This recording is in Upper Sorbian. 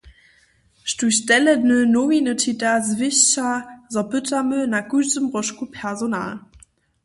Štóž tele dny nowiny čita, zwěsća, zo pytamy na kóždym róžku personal.